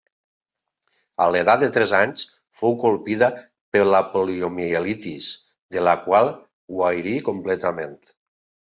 A l'edat de tres anys fou colpida per la poliomielitis, de la qual guarí completament.